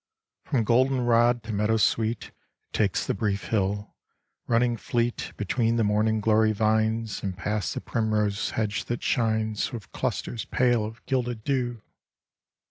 From golden rod to meadow sweet It takes the brief hill, running fleet Between the morning glory vines And past the primrose hedge that shines With clusters pale of gilded dew.